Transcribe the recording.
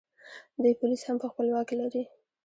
دوی پولیس هم په خپل واک کې لري